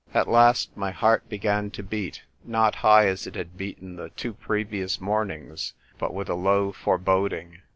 At last my heart began to beat, not high as it had beaten the two previous mornings, but with a low foreboding.